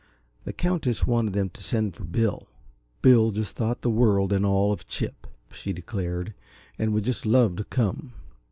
The Countess wanted them to send for Bill. Bill just thought the world and all of Chip, she declared, and would just love to come.